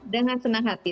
dengan senang hati